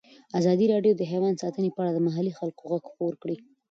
ازادي راډیو د حیوان ساتنه په اړه د محلي خلکو غږ خپور کړی.